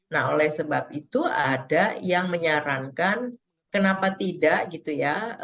nah oleh sebab itu ada yang menyarankan kenapa tidak gitu ya